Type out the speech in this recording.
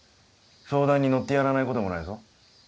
相談に乗ってやらないこともないぞ。